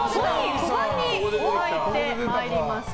５番に入ってまいりました。